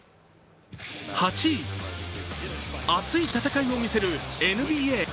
熱い戦いを見せるＮＢＡ。